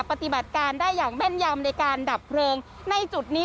ปฏิบัติการได้อย่างแม่นยำในการดับเพลิงในจุดนี้